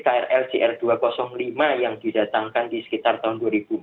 krl cr dua ratus lima yang didatangkan di sekitar tahun dua ribu empat belas